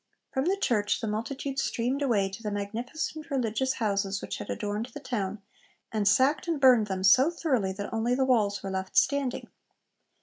From the church the multitude streamed away to the magnificent Religious Houses which had adorned the town, and sacked and burned them so thoroughly that only the walls were left standing.